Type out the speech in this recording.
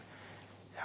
いや。